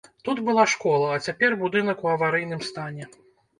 Тут была школа, а цяпер будынак у аварыйным стане.